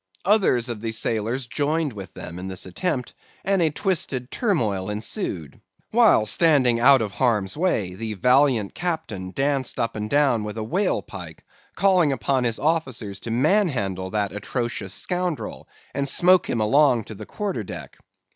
Others of the sailors joined with them in this attempt, and a twisted turmoil ensued; while standing out of harm's way, the valiant captain danced up and down with a whale pike, calling upon his officers to manhandle that atrocious scoundrel, and smoke him along to the quarter deck.